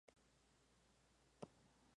Fue escrita y dirigida por Adam Green.